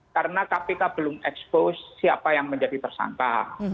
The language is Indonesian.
karena kpk belum expose siapa yang menjadi tersangka